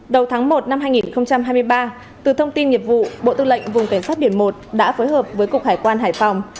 đầu tháng một năm hai nghìn hai mươi ba từ thông tin nghiệp vụ bộ tư lệnh vùng cảnh sát biển một đã phối hợp với cục hải quan hải phòng